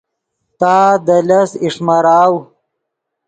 تا دے لس اݰمراؤ